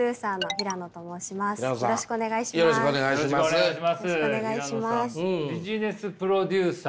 平野さんビジネスプロデューサー。